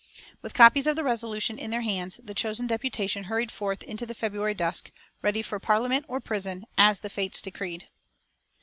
With copies of the resolution in their hands, the chosen deputation hurried forth into the February dusk, ready for Parliament or prison, as the fates decreed.